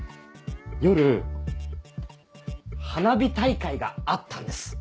夜花火大会があったんです。